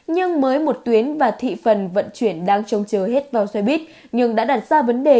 nhưng mới một tuyến và thị phần vận chuyển đang trông chờ hết vào xe buýt nhưng đã đặt ra vấn đề